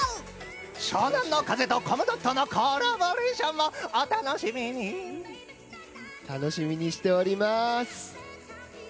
湘南乃風とコムドットのコラボレーションも楽しみにしております。